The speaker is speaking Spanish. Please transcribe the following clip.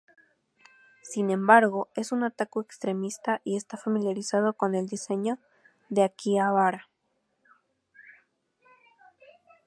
Sin embargo, es un otaku extremista y está familiarizado con el diseño de Akihabara.